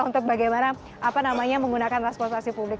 untuk bagaimana apa namanya menggunakan transportasi publik